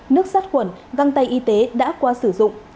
nước sát quẩn găng tay y tế đã qua sử dụng